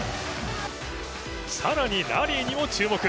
更に、ラリーにも注目。